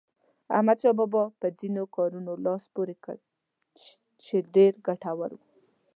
احمدشاه بابا په ځینو کارونو لاس پورې کړ چې ډېر ګټور وو.